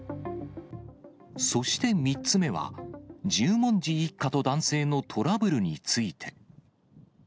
そして３つ目は、十文字一家と男性のトラブルについて。